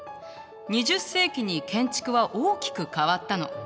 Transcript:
２０世紀に建築は大きく変わったの。